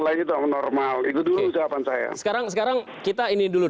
lain itu normal itu dulu jawaban saya sekarang sekarang kita ini dulu deh petakan dulu eh dudukan